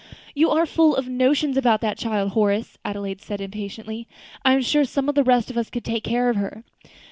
"You are full of notions about that child, Horace," said Adelaide, a little impatiently. "I'm sure some of the rest of us could take care of her."